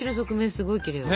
すごいきれいよ。